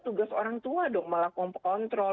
tugas orang tua dong melakukan kontrol